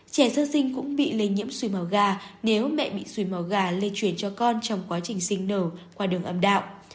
trẻ sơ sinh cũng bị lây nhiễm suối màu gà nếu mẹ bị suối màu gà lây chuyển cho con trong quá trình sinh nở qua đường âm đạo